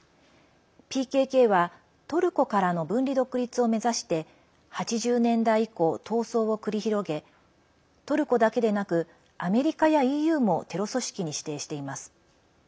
ＰＫＫは、トルコからの分離独立を目指して８０年代以降、闘争を繰り広げトルコだけでなくアメリカやＥＵもテロ組織に指定しています。